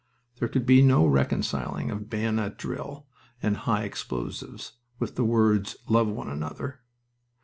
There could be no reconciling of bayonet drill and high explosives with the words "Love one another."